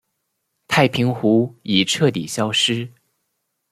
太平湖已彻底消失。